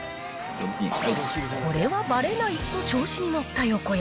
これはばれないと、調子に乗った横山。